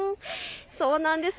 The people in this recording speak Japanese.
そうなんです。